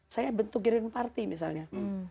saya bentuk giliran parti misalnya